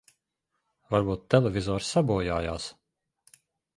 Varbūt televizors sabojājās.